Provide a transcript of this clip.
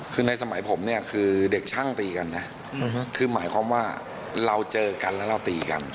คือในสมัยผมเนี่ยคือเด็กช่างตีกันนะคือหมายความว่าเราเจอกันแล้วเราตีกัน